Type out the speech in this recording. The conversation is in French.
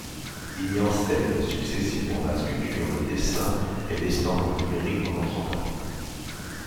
Il y enseigne successivement la sculpture, le dessin et l'estampe numérique pendant trente ans.